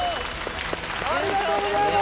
ありがとうございます！